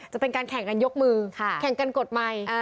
จะเป็นการแข่งกันยกมือแข่งกันกดไมค์